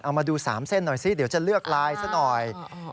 เอามาดู๓เส้นหน่อยซิเดี๋ยวจะเลือกลายซะหน่อย